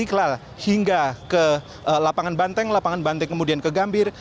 yang akan dilalui dari istiqlal hingga ke lapangan banteng lapangan banteng kemudian ke gambir